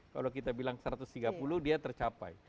kalau kita bilang satu ratus tiga puluh dia tercapai